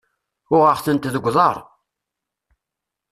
Uɣeɣ-tent deg uḍar.